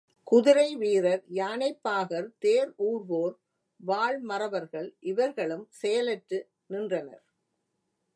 குதிரை வீரர், யானைப்பாகர், தேர் ஊர்வோர், வாள் மறவர்கள் இவர்களும் செயலற்று நின்றனர்.